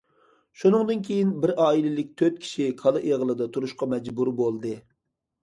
شۇنىڭدىن كېيىن بىر ئائىلىلىك تۆت كىشى كالا ئېغىلىدا تۇرۇشقا مەجبۇر بولدى.